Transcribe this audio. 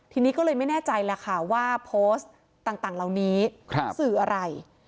ทีนี้ก็เลยไม่แน่ใจแล้วค่ะว่าโพสต์ต่างเหล่านี้สื่ออะไร